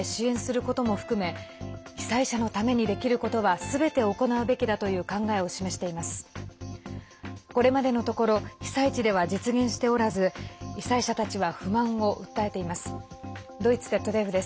これまでのところ被災地では実現しておらず被災者たちは不満を訴えています。